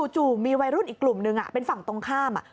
จู่มีวัยรุ่นอีกกลุ่มนึงเป็นฝั่งตรงข้าม